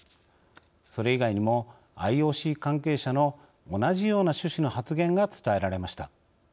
それ以外にもＩＯＣ関係者の同じような趣旨の発言が伝えられました。